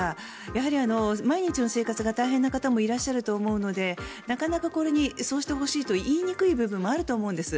やはり、毎日の生活が大変な方もいらっしゃると思うのでなかなかそうしてほしいと言いにくい部分もあると思うんです。